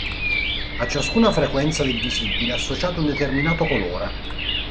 A ciascuna frequenza del visibile è associato un determinato colore.